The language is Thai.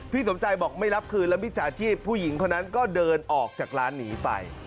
สมใจบอกไม่รับคืนแล้วมิจฉาชีพผู้หญิงคนนั้นก็เดินออกจากร้านหนีไป